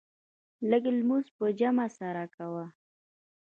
لږ لمونځ په جمع سره کوه.